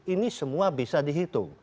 ini semua bisa dihitung